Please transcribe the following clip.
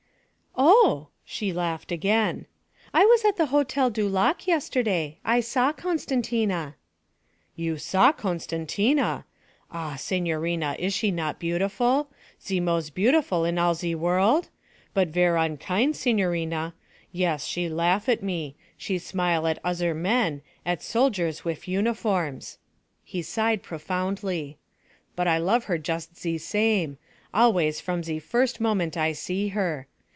'Oh!' she laughed again. 'I was at the Hotel du Lac yesterday; I saw Costantina.' 'You saw Costantina! Ah, signorina, is she not beautiful? Ze mos' beautiful in all ze world? But ver' unkind, signorina. Yes, she laugh at me; she smile at ozzer men, at soldiers wif uniforms.' He sighed profoundly. 'But I love her just ze same, always from ze first moment I see her.